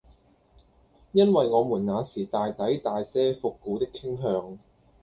因爲我們那時大抵帶些復古的傾向，